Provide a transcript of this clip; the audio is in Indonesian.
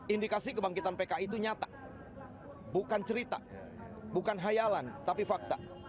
indikasi kebangkitan pki itu nyata bukan cerita bukan hayalan tapi fakta